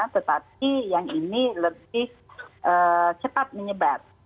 tetapi yang ini lebih cepat menyebar